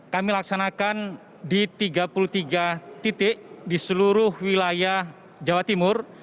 kami laksanakan di tiga puluh tiga titik di seluruh wilayah jawa timur